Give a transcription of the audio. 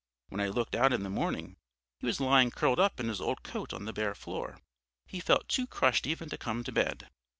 When I looked out in the morning, he was lying curled up in his old coat on the bare floor; he felt too crushed even to come to bed.